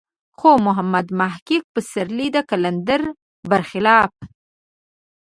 خو محمد صديق پسرلی د قلندر بر خلاف.